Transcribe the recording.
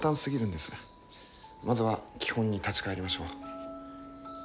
まずは基本に立ち返りましょう。